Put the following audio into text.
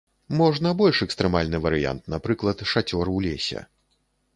Можна больш экстрэмальны варыянт, напрыклад, шацёр у лесе.